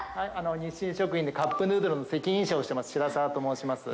日清食品でカップヌードルの責任者をしてます白澤と申します。